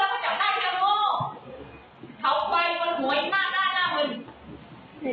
นี่ไงนอกเลิกเกินมากกว่าอีกพร่อมความเผลอคนแต่ก็เห็นความเผลอ